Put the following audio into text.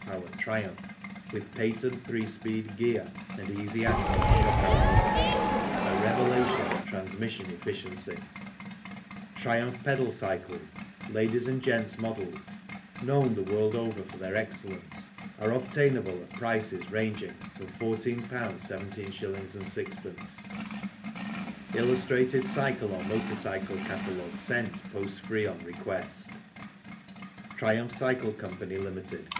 p. TRIUMPH with Patent 3 Speed Gear and easy acting Shock Absorber a revelation in transmission efficiency ^ TRIUMPH Pedal Cycles Ladies' and Gents' Models known the world over for their excellence, are obtainable at prices ranging from 14 17s. 6d. ^| Illustrated Cycle or Motor Cycle Catalogue sent post free on request Triumph Cycle Co., Ltd.